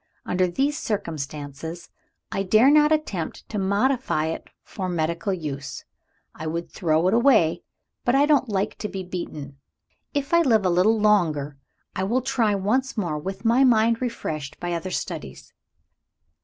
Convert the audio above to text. Under these circumstances, I dare not attempt to modify it for medical use. I would throw it away but I don't like to be beaten. If I live a little longer I will try once more, with my mind refreshed by other studies."